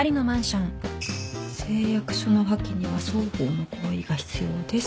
「誓約書の破棄には双方の合意が必要です」